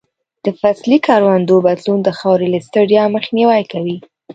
د فصلي کروندو بدلون د خاورې له ستړیا مخنیوی کوي.